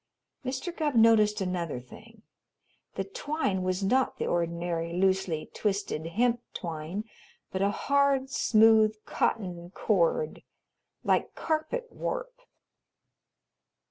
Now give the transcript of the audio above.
Mr. Gubb noticed another thing the twine was not the ordinary loosely twisted hemp twine, but a hard, smooth cotton cord, like carpet warp.